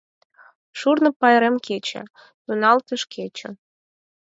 Шурно пайрем кече — тӱҥалтыш кече.